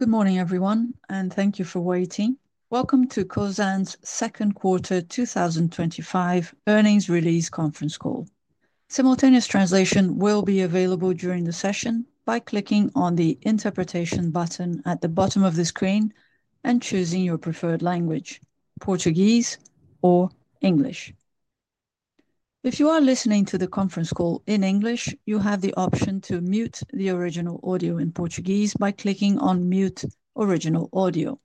Good morning, everyone, and thank you for waiting. Welcome to Cosan's Second Quarter 2025 Earnings Release Conference Call. Simultaneous translation will be available during the session by clicking on the interpretation button at the bottom of the screen and choosing your preferred language: Portuguese or English. If you are listening to the conference call in English, you have the option to mute the original audio in Portuguese by clicking on "Mute Original Audio."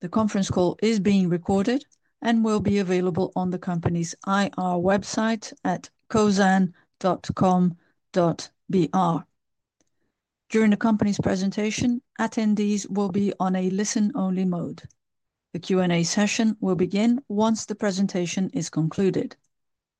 The conference call is being recorded and will be available on the company's IR website at cosan.com.br. During the company's presentation, attendees will be on a listen-only mode. The Q&A session will begin once the presentation is concluded.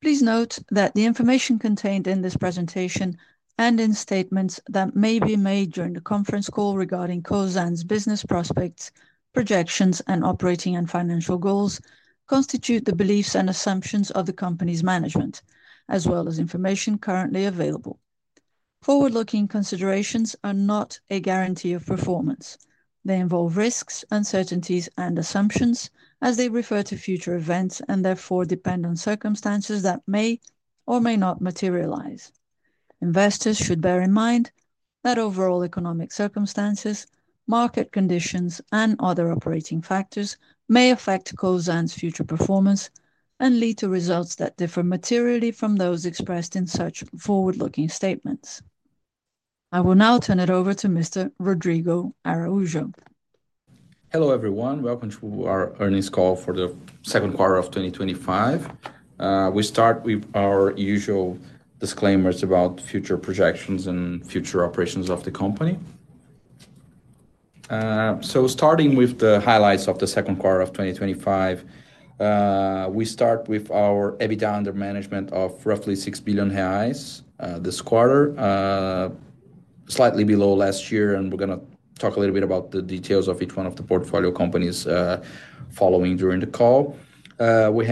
Please note that the information contained in this presentation and in statements that may be made during the conference call regarding Cosan's business prospects, projections, and operating and financial goals constitute the beliefs and assumptions of the company's management, as well as information currently available. Forward-looking considerations are not a guarantee of performance. They involve risks, uncertainties, and assumptions as they refer to future events and therefore depend on circumstances that may or may not materialize. Investors should bear in mind that overall economic circumstances, market conditions, and other operating factors may affect Cosan's future performance and lead to results that differ materially from those expressed in such forward-looking statements. I will now turn it over to Mr. Rodrigo Araujo. Hello, everyone. Welcome to our Earnings Call for the Second Quarter of 2025. We start with our usual disclaimers about future projections and future operations of the company. Starting with the highlights of the second quarter of 2025, we start with our EBITDA under management of roughly 6 billion reais this quarter, slightly below last year, and we're going to talk a little bit about the details of each one of the portfolio companies following during the call. We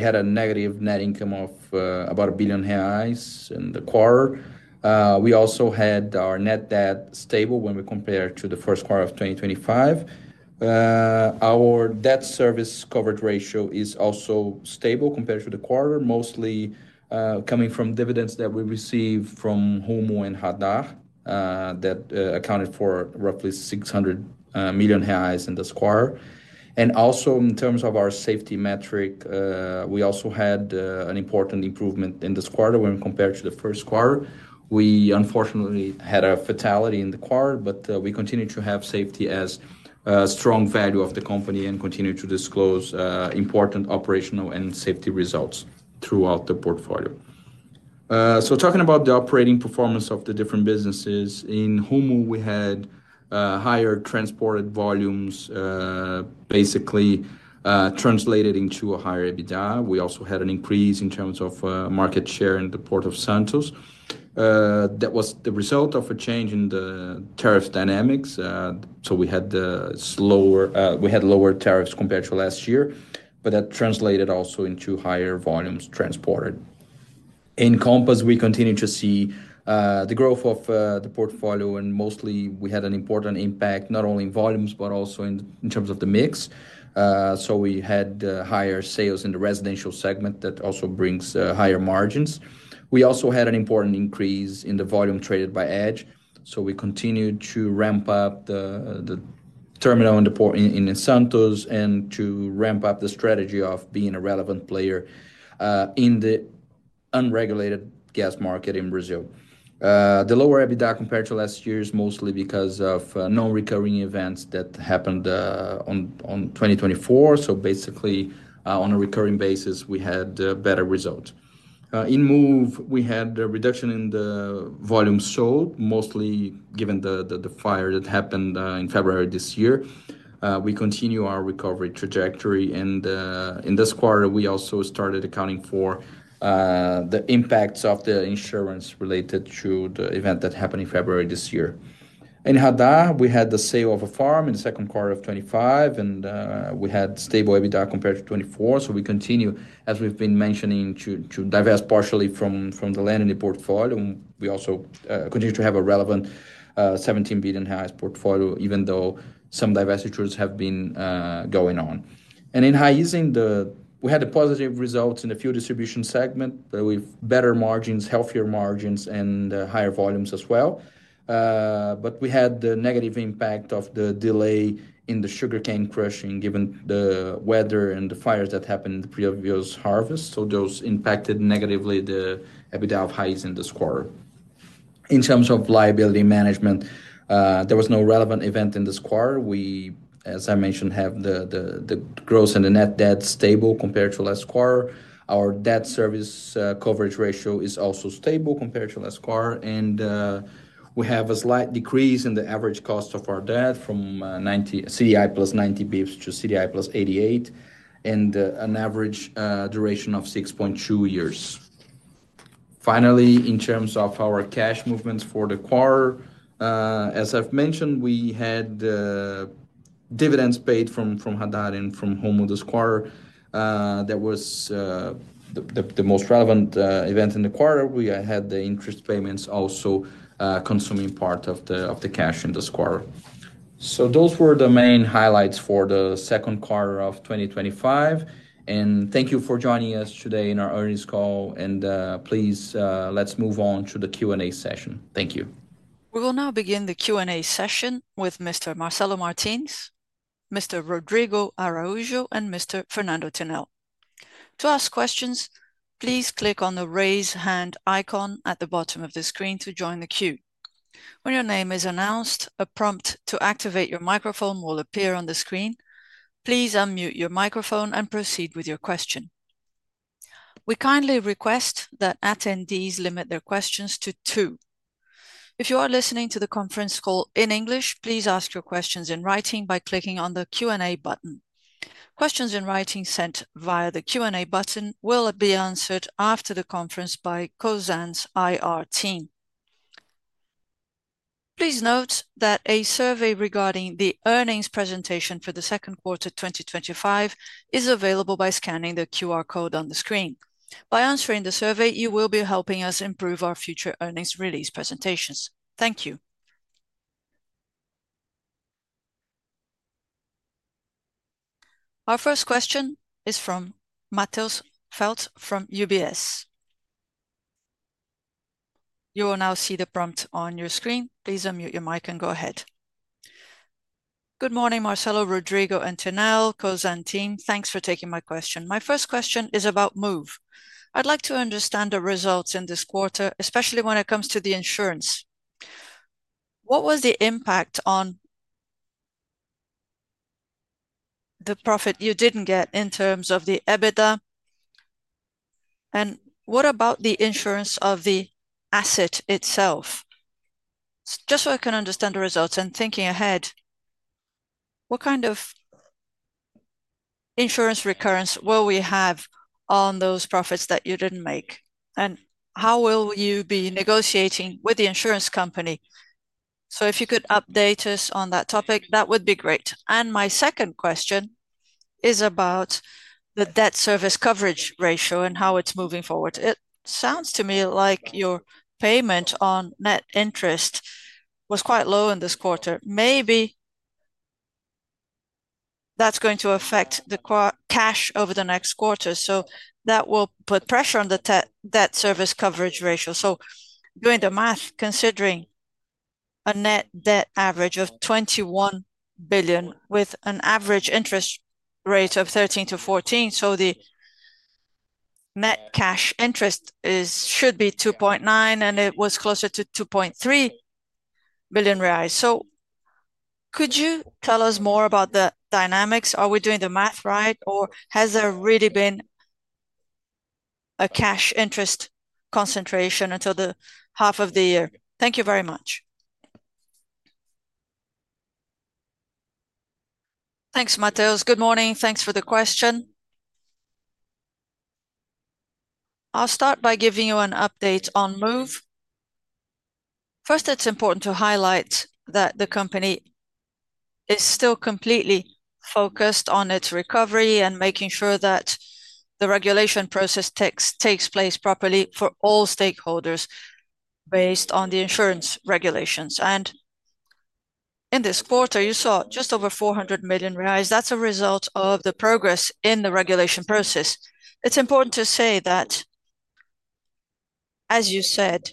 had a negative net income of about 1 billion reais in the quarter. We also had our net debt stable when we compare to the first quarter of 2025. Our debt service coverage ratio is also stable compared to the quarter, mostly coming from dividends that we receive from Rumo and Radar, that accounted for roughly 600 million reais in this quarter. Also, in terms of our safety metric, we had an important improvement in this quarter when compared to the first quarter. We unfortunately had a fatality in the quarter, but we continue to have safety as a strong value of the company and continue to disclose important operational and safety results throughout the portfolio. Talking about the operating performance of the different businesses, in Rumo, we had higher transported volumes, basically translated into a higher EBITDA. We also had an increase in terms of market share in the Port of Santos. That was the result of a change in the tariff dynamics. We had lower tariffs compared to last year, but that translated also into higher volumes transported. In Compass, we continue to see the growth of the portfolio and mostly we had an important impact not only in volumes but also in terms of the mix. We had higher sales in the residential segment that also brings higher margins. We also had an important increase in the volume traded by EDGE, so we continue to ramp up the terminal in Santos and to ramp up the strategy of being a relevant player in the unregulated gas market in Brazil. The lower EBITDA compared to last year is mostly because of non-recurring events that happened in 2024, so basically on a recurring basis, we had better results. In Moove, we had a reduction in the volume sold, mostly given the fire that happened in February this year. We continue our recovery trajectory, and in this quarter, we also started accounting for the impacts of the insurance related to the event that happened in February this year. In Radar, we had the sale of a farm in the second quarter of 2025, and we had stable EBITDA compared to 2024, so we continue, as we've been mentioning, to divest partially from the land in the portfolio. We also continue to have a relevant 17 billion portfolio, even though some divestitures have been going on. In Raízen, we had positive results in the fuel distribution segment with better margins, healthier margins, and higher volumes as well. We had the negative impact of the delay in the sugarcane crushing given the weather and the fires that happened in the previous harvest, so those impacted negatively the EBITDA of Raízen in this quarter. In terms of liability management, there was no relevant event in this quarter. We, as I mentioned, have the growth in the net debt stable compared to last quarter. Our debt service coverage ratio is also stable compared to last quarter, and we have a slight decrease in the average cost of our debt from CDI plus 90 bps to CDI plus 88, and an average duration of 6.2 years. Finally, in terms of our cash movements for the quarter, as I've mentioned, we had dividends paid from Radar and from Moove this quarter. That was the most relevant event in the quarter. We had the interest payments also consuming part of the cash in this quarter. Those were the main highlights for the second quarter of 2025, and thank you for joining us today in our earnings call, and please let's move on to the Q&A session. Thank you. We will now begin the Q&A session with Mr. Marcelo Martins, Mr. Rodrigo Araujo, and Mr. Fernando Tinel. To ask questions, please click on the raise hand icon at the bottom of the screen to join the queue. When your name is announced, a prompt to activate your microphone will appear on the screen. Please unmute your microphone and proceed with your question. We kindly request that attendees limit their questions to two. If you are listening to the conference call in English, please ask your questions in writing by clicking on the Q&A button. Questions in writing sent via the Q&A button will be answered after the conference by Cosan's IR team. Please note that a survey regarding the earnings presentation for the second quarter 2025 is available by scanning the QR code on the screen. By answering the survey, you will be helping us improve our future earnings release presentations. Thank you. Our first question is from Matheus Enfeldt from UBS. You will now see the prompt on your screen. Please unmute your mic and go ahead. Good morning, Marcelo, Rodrigo, and Tinel, Cosan team. Thanks for taking my question. My first question is about Moove. I'd like to understand the results in this quarter, especially when it comes to the insurance. What was the impact on the profit you didn't get in terms of the EBITDA? And what about the insurance of the asset itself? Just so I can understand the results and thinking ahead, what kind of insurance recurrence will we have on those profits that you didn't make? How will you be negotiating with the insurance company? If you could update us on that topic, that would be great. My second question is about the debt service coverage ratio and how it's moving forward. It sounds to me like your payment on net interest was quite low in this quarter. Maybe that's going to affect the cash over the next quarter, which will put pressure on the debt service coverage ratio. Doing the math, considering a net debt average of 21 billion with an average interest rate of 13%-14%, the net cash interest should be 2.9 billion, and it was closer to 2.3 billion reais. Could you tell us more about the dynamics? Are we doing the math right, or has there really been a cash interest concentration until the half of the year? Thank you very much. Thanks, Matheus. Good morning. Thanks for the question. I'll start by giving you an update on Moove. First, it's important to highlight that the company is still completely focused on its recovery and making sure that the regulation process takes place properly for all stakeholders based on the insurance regulations. In this quarter, you saw just over 400 million reais. That's a result of the progress in the regulation process. It's important to say that, as you said,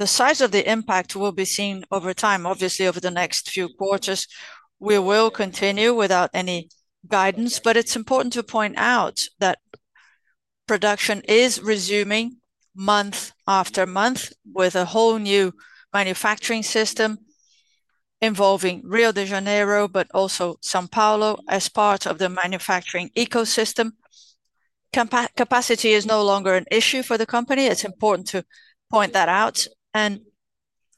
the size of the impact will be seen over time. Obviously, over the next few quarters, we will continue without any guidance, but it's important to point out that production is resuming month after month with a whole new manufacturing system involving Rio de Janeiro, but also São Paulo, as part of the manufacturing ecosystem. Capacity is no longer an issue for the company. It's important to point that out.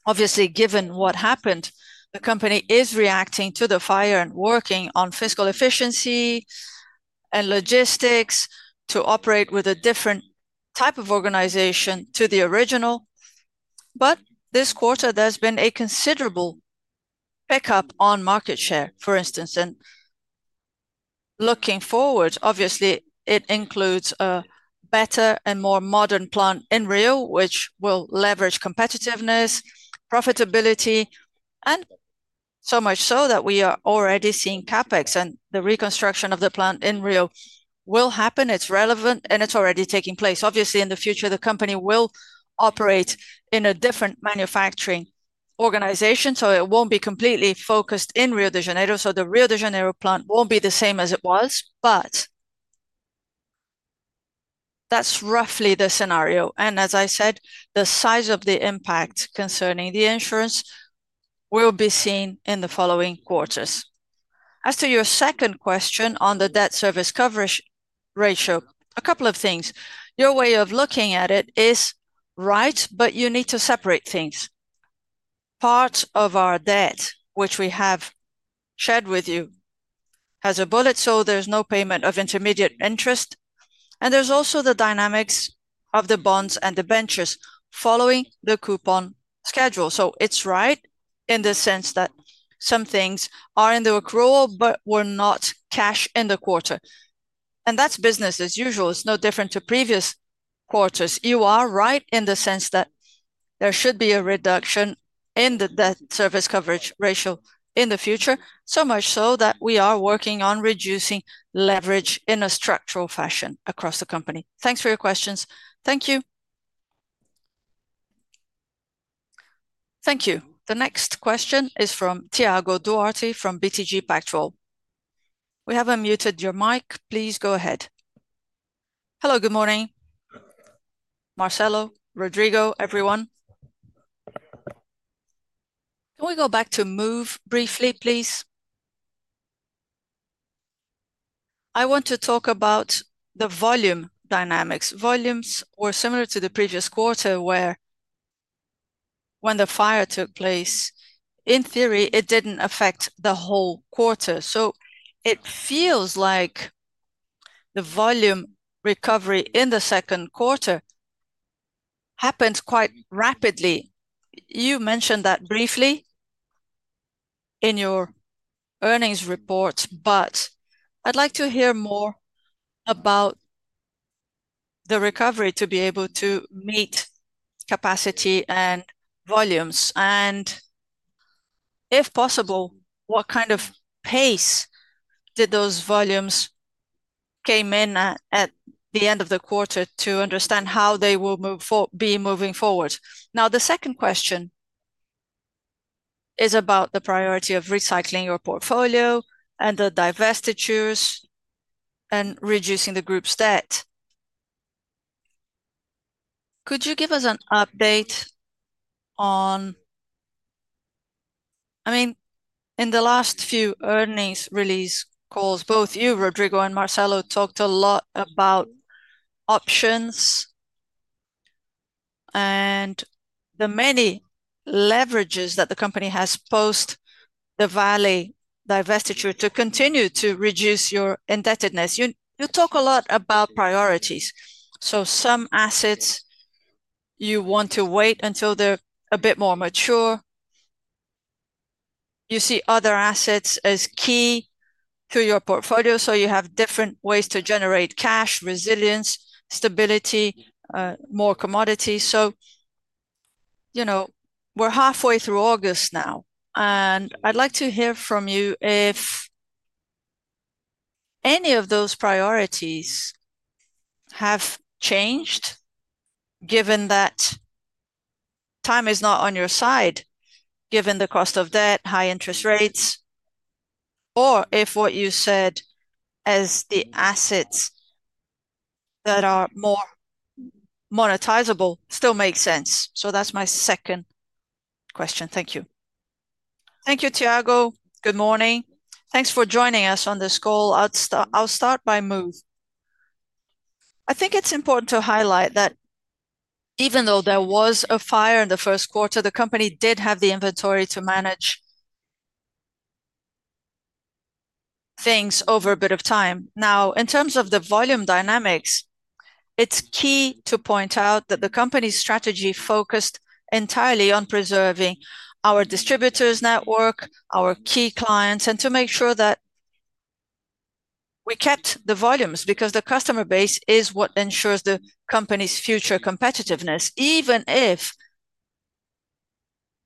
Obviously, given what happened, the company is reacting to the fire and working on fiscal efficiency and logistics to operate with a different type of organization to the original. This quarter, there's been a considerable pickup on market share, for instance. Looking forward, it includes a better and more modern plant in Rio, which will leverage competitiveness, profitability, and so much so that we are already seeing CapEx. The reconstruction of the plant in Rio will happen. It's relevant, and it's already taking place. Obviously, in the future, the company will operate in a different manufacturing organization, so it won't be completely focused in Rio de Janeiro. The Rio de Janeiro plant won't be the same as it was, but that's roughly the scenario. As I said, the size of the impact concerning the insurance will be seen in the following quarters. As to your second question on the debt service coverage ratio, a couple of things. Your way of looking at it is right, but you need to separate things. Part of our debt, which we have shared with you, has a bullet, so there's no payment of intermediate interest. There's also the dynamics of the bonds and the benches following the coupon schedule. It's right in the sense that some things are in the accrual, but were not cash in the quarter. That's business as usual. It's no different to previous quarters. You are right in the sense that there should be a reduction in the debt service coverage ratio in the future, so much so that we are working on reducing leverage in a structural fashion across the company. Thanks for your questions. Thank you. Thank you. The next question is from Thiago Duarte from BTG Pactual.We haven't muted your mic. Please go ahead. Hello, good morning, Marcelo, Rodrigo, everyone. Can we go back to Moove briefly, please? I want to talk about the volume dynamics. Volumes were similar to the previous quarter where when the fire took place, in theory, it didn't affect the whole quarter. It feels like the volume recovery in the second quarter happened quite rapidly. You mentioned that briefly in your earnings report, but I'd like to hear more about the recovery to be able to meet capacity and volumes. If possible, what kind of pace did those volumes come in at the end of the quarter to understand how they will be moving forward? The second question is about the priority of recycling your portfolio and the divestitures and reducing the group's debt. Could you give us an update on, I mean, in the last few earnings release calls, both you, Rodrigo, and Marcelo talked a lot about options and the many leverages that the company has post the Vale divestiture to continue to reduce your indebtedness. You talk a lot about priorities. Some assets you want to wait until they're a bit more mature. You see other assets as key to your portfolio, so you have different ways to generate cash, resilience, stability, more commodities. We're halfway through August now, and I'd like to hear from you if any of those priorities have changed given that time is not on your side, given the cost of debt, high interest rates, or if what you said as the assets that are more monetizable still make sense. That's my second question. Thank you. Thank you, Thiago. Good morning. Thanks for joining us on this call. I'll start by Moove. I think it's important to highlight that even though there was a fire in the first quarter, the company did have the inventory to manage things over a bit of time. In terms of the volume dynamics, it's key to point out that the company's strategy focused entirely on preserving our distributors' network, our key clients, and to make sure that we kept the volumes because the customer base is what ensures the company's future competitiveness, even if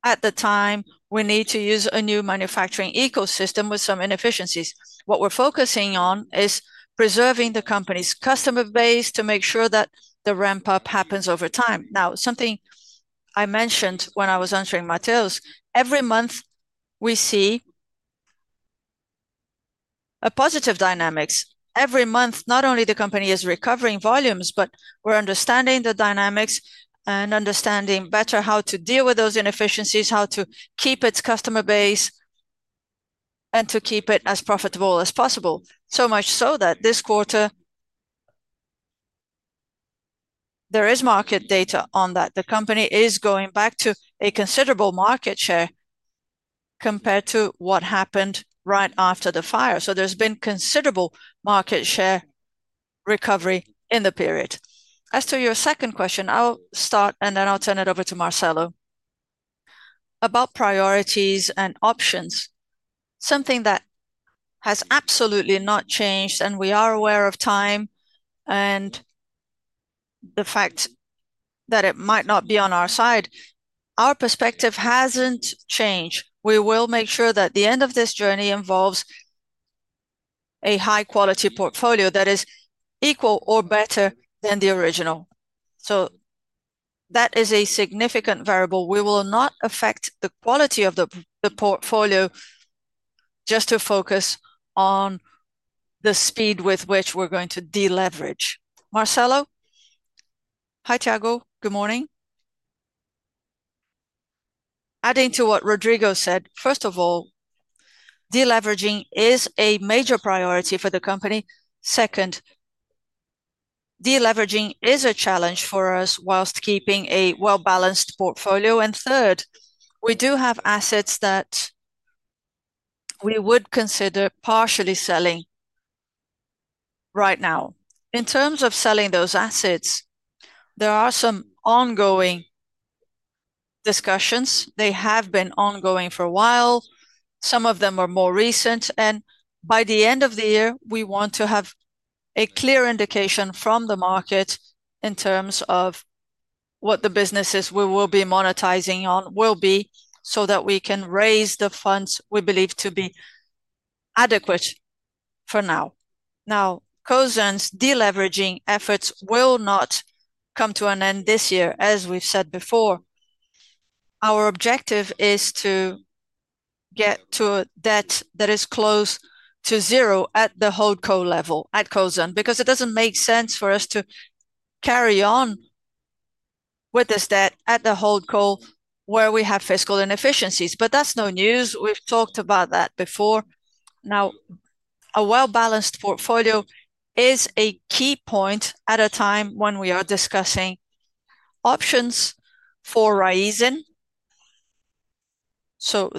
at the time we need to use a new manufacturing ecosystem with some inefficiencies. What we're focusing on is preserving the company's customer base to make sure that the ramp-up happens over time. Something I mentioned when I was answering Matheus, every month we see positive dynamics. Every month, not only the company is recovering volumes, but we're understanding the dynamics and understanding better how to deal with those inefficiencies, how to keep its customer base, and to keep it as profitable as possible. So much so that this quarter, there is market data on that. The company is going back to a considerable market share compared to what happened right after the fire. There has been considerable market share recovery in the period. As to your second question, I'll start, and then I'll turn it over to Marcelo. About priorities and options, something that has absolutely not changed, and we are aware of time and the fact that it might not be on our side, our perspective hasn't changed. We will make sure that the end of this journey involves a high-quality portfolio that is equal or better than the original. That is a significant variable. We will not affect the quality of the portfolio just to focus on the speed with which we're going to deleverage. Marcelo? Hi, Tiago. Good morning. Adding to what Rodrigo said, first of all, deleveraging is a major priority for the company. Second, deleveraging is a challenge for us whilst keeping a well-balanced portfolio. Third, we do have assets that we would consider partially selling right now. In terms of selling those assets, there are some ongoing discussions. They have been ongoing for a while. Some of them are more recent. By the end of the year, we want to have a clear indication from the market in terms of what the businesses we will be monetizing on will be so that we can raise the funds we believe to be adequate for now. Now, Cosan's deleveraging efforts will not come to an end this year, as we've said before. Our objective is to get to a debt that is close to zero at the hold co level at Cosan because it doesn't make sense for us to carry on with this debt at the hold co where we have fiscal inefficiencies. That's no news. We've talked about that before. A well-balanced portfolio is a key point at a time when we are discussing options for raising.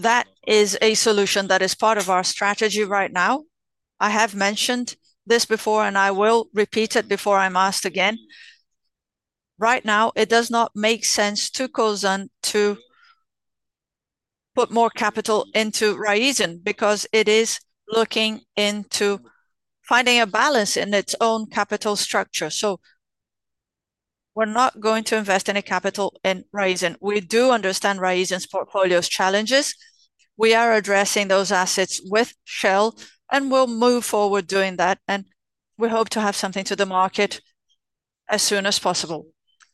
That is a solution that is part of our strategy right now. I have mentioned this before, and I will repeat it before I'm asked again. Right now, it does not make sense to Cosan to put more capital into Raízen because it is looking into finding a balance in its own capital structure. We're not going to invest any capital in Raízen. We do understand Raízen portfolio's challenges. We are addressing those assets with Shell, and we'll move forward doing that. We hope to have something to the market as soon as possible.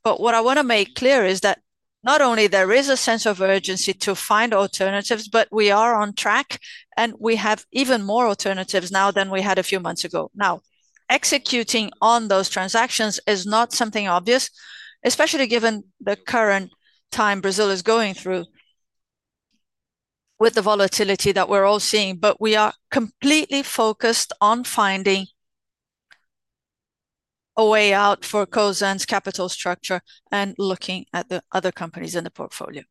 What I want to make clear is that not only is there a sense of urgency to find alternatives, but we are on track, and we have even more alternatives now than we had a few months ago. Executing on those transactions is not something obvious, especially given the current time Brazil is going through with the volatility that we're all seeing. We are completely focused on finding a way out for Cosan's capital structure and looking at the other companies in the portfolio.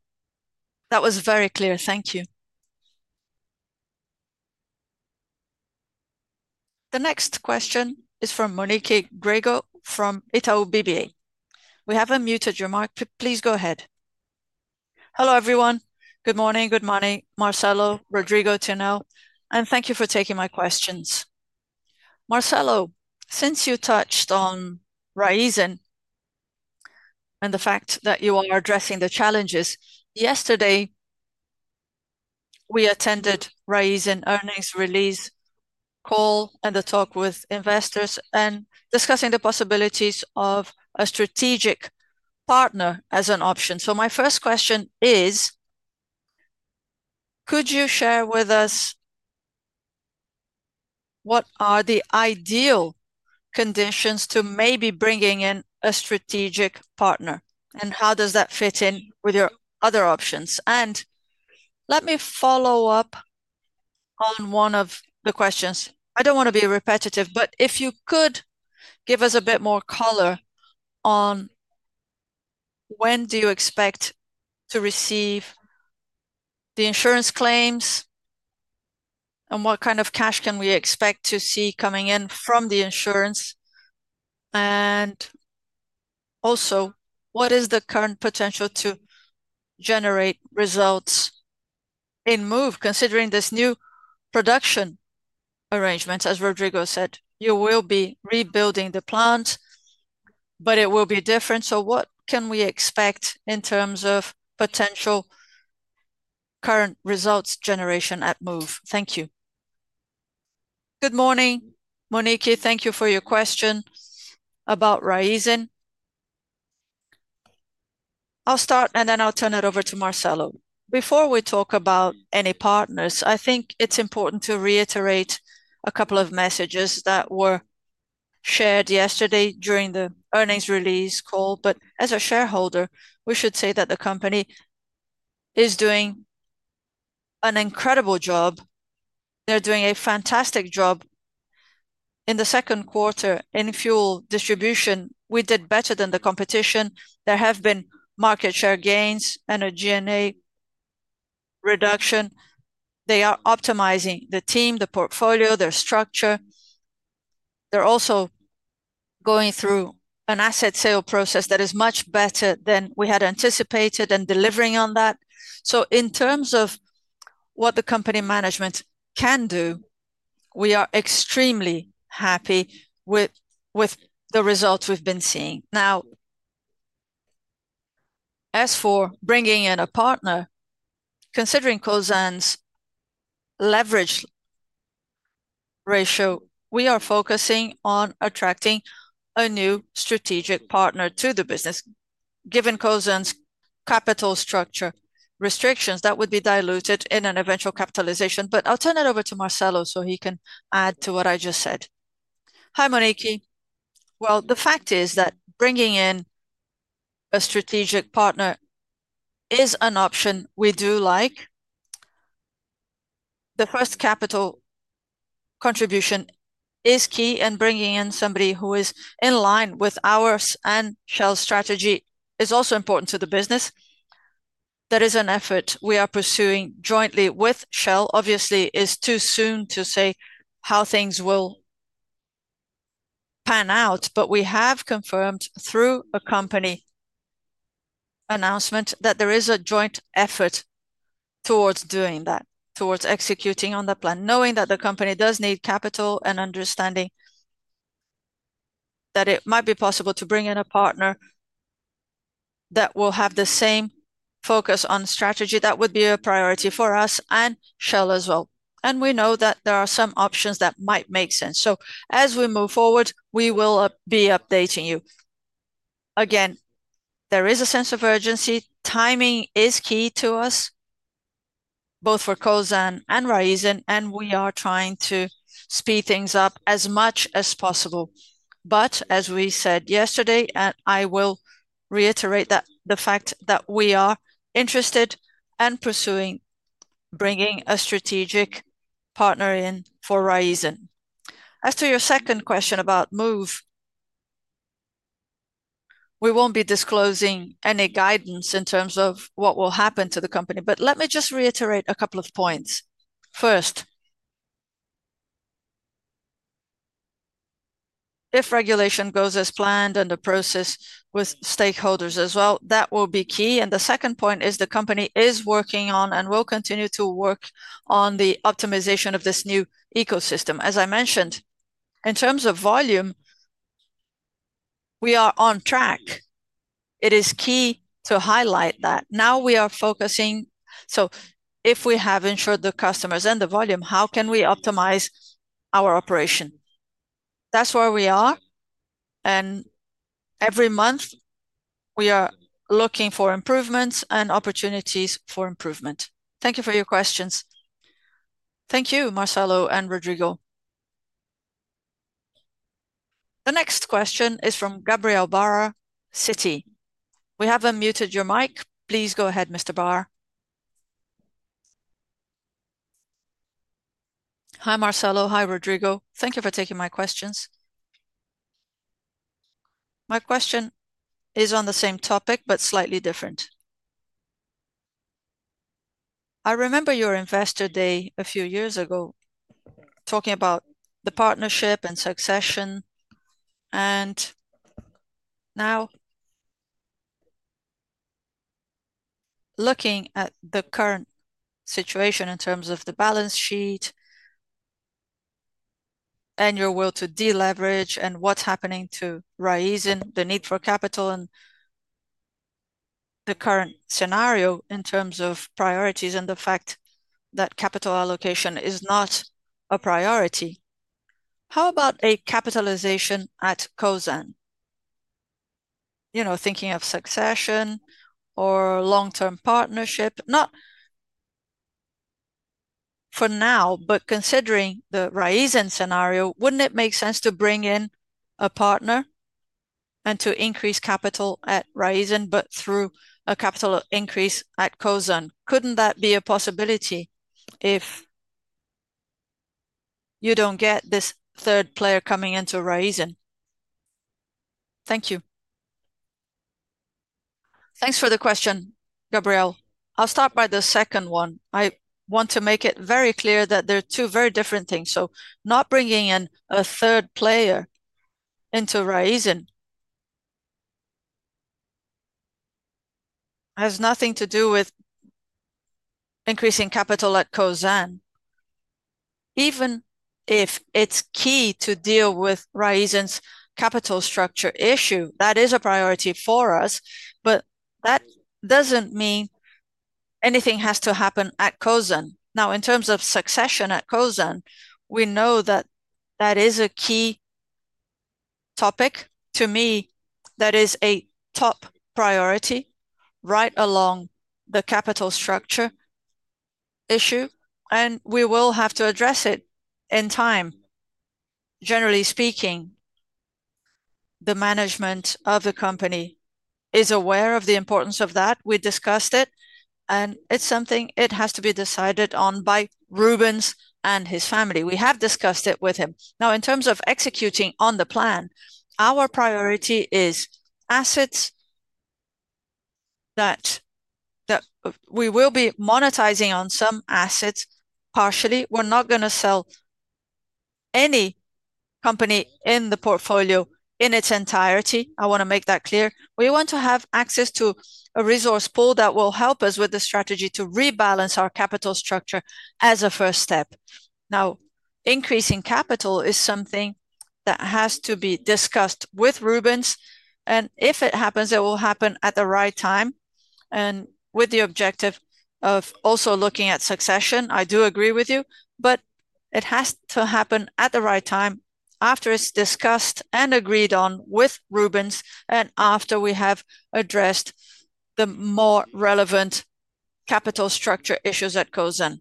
That was very clear. Thank you. The next question is from Monique Greco from Itaú BBA. We haven't muted your mic. Please go ahead. Hello, everyone. Good morning. Good morning, Marcelo, Rodrigo, Tinel. Thank you for taking my questions. Marcelo, since you touched on Raízen and the fact that you are addressing the challenges, yesterday we attended Raízen's earnings release call and the talk with investors and discussing the possibilities of a strategic partner as an option. My first question is, could you share with us what are the ideal conditions to maybe bring in a strategic partner? How does that fit in with your other options? Let me follow up on one of the questions. I don't want to be repetitive, but if you could give us a bit more color on when you expect to receive the insurance claims and what kind of cash we can expect to see coming in from the insurance. Also, what is the current potential to generate results in Moove considering this new production arrangement? As Rodrigo said, you will be rebuilding the plant, but it will be different. What can we expect in terms of potential current results generation at Moove? Thank you. Good morning, Monique. Thank you for your question about Raízen. I'll start, and then I'll turn it over to Marcelo. Before we talk about any partners, I think it's important to reiterate a couple of messages that were shared yesterday during the earnings release call. As a shareholder, we should say that the company is doing an incredible job. They're doing a fantastic job in the second quarter in fuel distribution. We did better than the competition. There have been market share gains and a G&A reduction. They are optimizing the team, the portfolio, their structure. They're also going through an asset sale process that is much better than we had anticipated and delivering on that. In terms of what the company management can do, we are extremely happy with the results we've been seeing. As for bringing in a partner, considering Cosan's leverage ratio, we are focusing on attracting a new strategic partner to the business. Given Cosan's capital structure restrictions, that would be diluted in an eventual capitalization. I'll turn it over to Marcelo so he can add to what I just said. Hi, Monique. The fact is that bringing in a strategic partner is an option we do like. The first capital contribution is key, and bringing in somebody who is in line with ours and Shell's strategy is also important to the business. That is an effort we are pursuing jointly with Shell. Obviously, it's too soon to say how things will pan out, but we have confirmed through a company announcement that there is a joint effort towards doing that, towards executing on that plan. Knowing that the company does need capital and understanding that it might be possible to bring in a partner that will have the same focus on strategy, that would be a priority for us and Shell as well. We know that there are some options that might make sense. As we move forward, we will be updating you. There is a sense of urgency. Timing is key to us, both for Cosan and Raízen, and we are trying to speed things up as much as possible. As we said yesterday, and I will reiterate that, the fact that we are interested in pursuing bringing a strategic partner in for Raízen. As to your second question about Moove, we won't be disclosing any guidance in terms of what will happen to the company, but let me just reiterate a couple of points. First, if regulation goes as planned and the process with stakeholders as well, that will be key. The second point is the company is working on and will continue to work on the optimization of this new ecosystem. As I mentioned, in terms of volume, we are on track. It is key to highlight that. Now we are focusing. If we have insured the customers and the volume, how can we optimize our operation? That's where we are. Every month, we are looking for improvements and opportunities for improvement. Thank you for your questions. Thank you, Marcelo and Rodrigo! The next question is from Gabriel Barra, Citi. We haven't muted your mic. Please go ahead, Mr. Barra. Hi, Marcelo. Hi, Rodrigo. Thank you for taking my questions. My question is on the same topic, but slightly different. I remember your investor day a few years ago talking about the partnership and succession, and now looking at the current situation in terms of the balance sheet and your will to deleverage and what's happening to Raízen, the need for capital, and the current scenario in terms of priorities and the fact that capital allocation is not a priority. How about a capitalization at Cosan? You know, thinking of succession or long-term partnership, not for now, but considering the Raízen scenario, wouldn't it make sense to bring in a partner and to increase capital at Raízen, but through a capital increase at Cosan? Couldn't that be a possibility if you don't get this third player coming into Raízen? Thank you. Thanks for the question, Gabriel. I'll start by the second one. I want to make it very clear that they're two very different things. Not bringing in a third player into Raízen has nothing to do with increasing capital at Cosan. Even if it's key to deal with Raízen's capital structure issue, that is a priority for us, but that doesn't mean anything has to happen at Cosan. Now, in terms of succession at Cosan, we know that that is a key topic. To me, that is a top priority right along the capital structure issue, and we will have to address it in time. Generally speaking, the management of the company is aware of the importance of that. We discussed it, and it's something it has to be decided on by Rubens and his family. We have discussed it with him. Now, in terms of executing on the plan, our priority is assets that we will be monetizing on some assets partially. We're not going to sell any company in the portfolio in its entirety. I want to make that clear. We want to have access to a resource pool that will help us with the strategy to rebalance our capital structure as a first step. Increasing capital is something that has to be discussed with Rubens, and if it happens, it will happen at the right time and with the objective of also looking at succession. I do agree with you, but it has to happen at the right time after it's discussed and agreed on with Rubens and after we have addressed the more relevant capital structure issues at Cosan.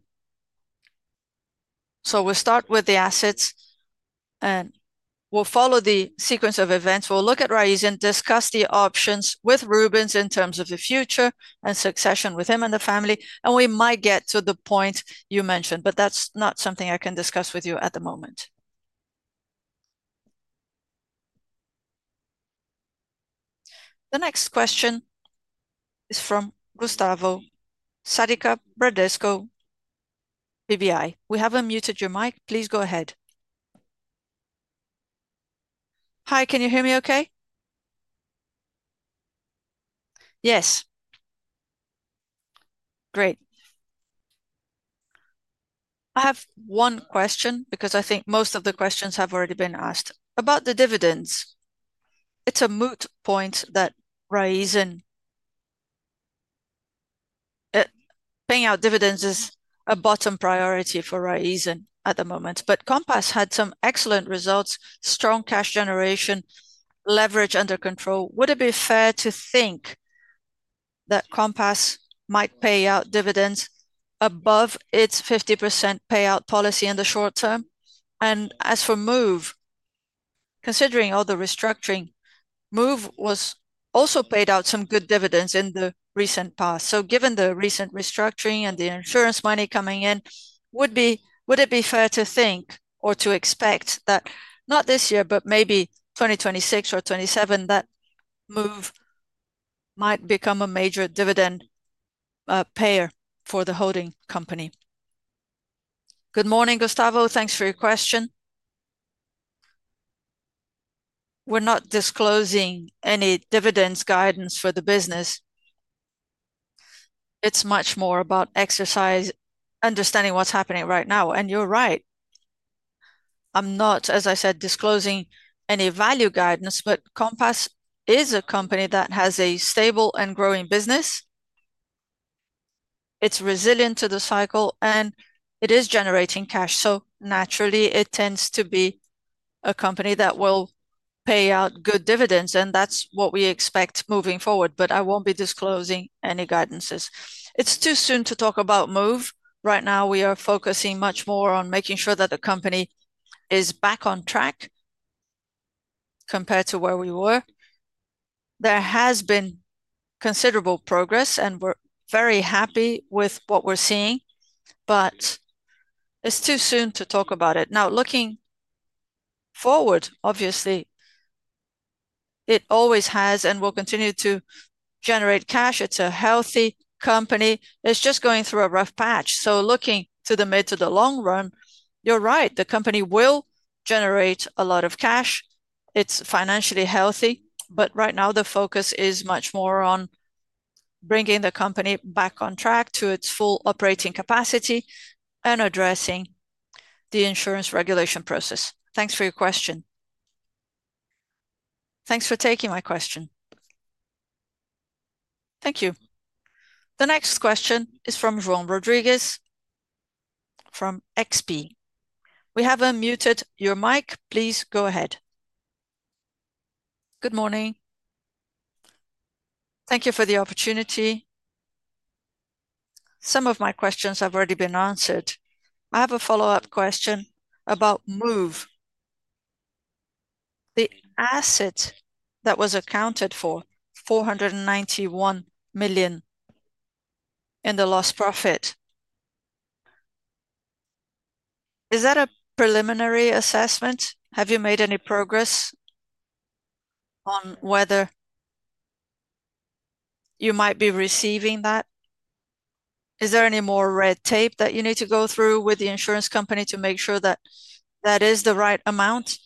We'll start with the assets, and we'll follow the sequence of events. We'll look at Raízen, discuss the options with Rubens in terms of the future and succession with him and the family, and we might get to the point you mentioned, but that's not something I can discuss with you at the moment. The next question is from Gustavo Sadka, Bradesco BBI. We haven't muted your mic. Please go ahead. Hi, can you hear me okay? Yes. Great. I have one question because I think most of the questions have already been asked. About the dividends, it's a moot point that Raízen paying out dividends is a bottom priority for Raízen at the moment. Compass had some excellent results, strong cash generation, leverage under control. Would it be fair to think that Compass might pay out dividends above its 50% payout policy in the short term? As for Moove, considering all the restructuring, Moove also paid out some good dividends in the recent past. Given the recent restructuring and the insurance money coming in, would it be fair to think or to expect that not this year, but maybe 2026 or 2027, that Moove might become a major dividend payer for the holding company? Good morning, Gustavo. Thanks for your question. We're not disclosing any dividends guidance for the business. It's much more about exercise, understanding what's happening right now. You're right. I'm not, as I said, disclosing any value guidance, but Compass is a company that has a stable and growing business. It's resilient to the cycle, and it is generating cash. Naturally, it tends to be a company that will pay out good dividends, and that's what we expect moving forward. I won't be disclosing any guidances. It's too soon to talk about Moove. Right now, we are focusing much more on making sure that the company is back on track compared to where we were. There has been considerable progress, and we're very happy with what we're seeing, but it's too soon to talk about it. Looking forward, obviously, it always has and will continue to generate cash. It's a healthy company. It's just going through a rough patch. Looking to the mid to the long run, you're right. The company will generate a lot of cash. It's financially healthy, but right now, the focus is much more on bringing the company back on track to its full operating capacity and addressing the insurance regulation process. Thanks for your question. Thanks for taking my question. Thank you. The next question is from João Rodrigues from XP. We haven't muted your mic. Please go ahead. Good morning. Thank you for the opportunity. Some of my questions have already been answered. I have a follow-up question about Moove. The asset that was accounted for, $491 million in the lost profit, is that a preliminary assessment? Have you made any progress on whether you might be receiving that? Is there any more red tape that you need to go through with the insurance company to make sure that that is the right amount?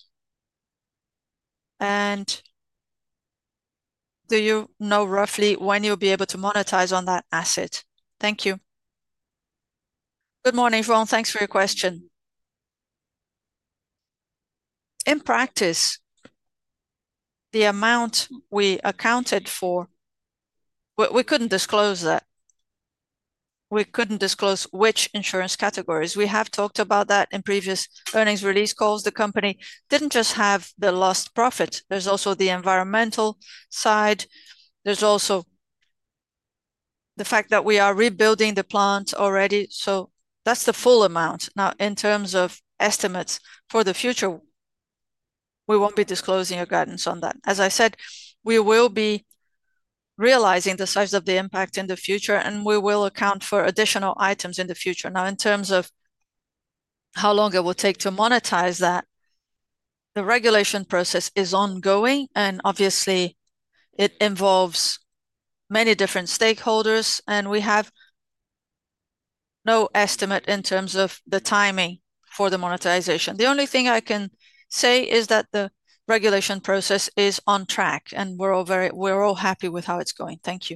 Do you know roughly when you'll be able to monetize on that asset? Thank you. Good morning, João. Thanks for your question. In practice, the amount we accounted for, we couldn't disclose that. We couldn't disclose which insurance categories. We have talked about that in previous earnings release calls. The company didn't just have the lost profit. There's also the environmental side. There's also the fact that we are rebuilding the plant already. That's the full amount. In terms of estimates for the future, we won't be disclosing a guidance on that. As I said, we will be realizing the size of the impact in the future, and we will account for additional items in the future. In terms of how long it will take to monetize that, the regulation process is ongoing, and obviously, it involves many different stakeholders, and we have no estimate in terms of the timing for the monetization. The only thing I can say is that the regulation process is on track, and we're all very, we're all happy with how it's going. Thank you.